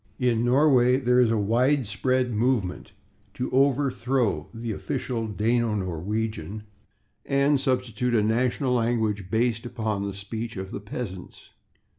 In Norway there is a widespread movement to overthrow the official Dano Norwegian, and substitute a national language based upon the speech of the peasants.